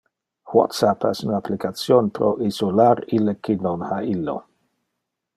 WhatsApp es un application pro isolar ille qui non ha illo.